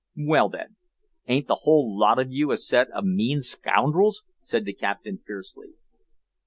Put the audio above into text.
"Well, then, ain't the whole lot of you a set of mean scoundrels?" said the captain fiercely.